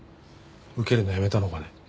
受けるのやめたのかね？